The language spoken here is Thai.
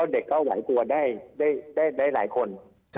เด็กก็ไหวตัวได้หลายคน